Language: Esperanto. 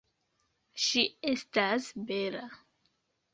Ŝi estas bela.